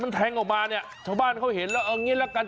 มันแทงออกมาชาวบ้านเขาเห็นแล้วเอาอย่างนี้ละกัน